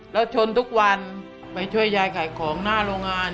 แล้วชนทุกวันไปช่วยยายขายของหน้าโรงงาน